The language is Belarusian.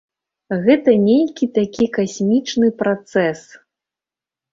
Гэта нейкі такі касмічны працэс.